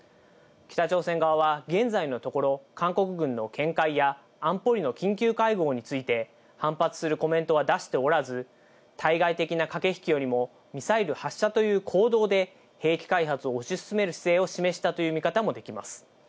北朝鮮側は現在のところ、韓国軍の見解や安保理の緊急会合について、反発するコメントは出しておらず、対外的な駆け引きよりもミサイル発射という行動で、兵器開発を推し進める姿勢を示したという見方もできます。